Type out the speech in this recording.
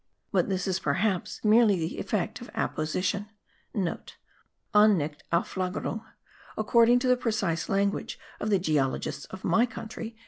But this is perhaps merely the effect of apposition.* (* An nicht Auflagerung, according to the precise language of the geologists of my country.)